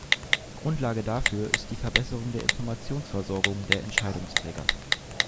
Grundlage dafür ist die Verbesserung der Informationsversorgung der Entscheidungsträger.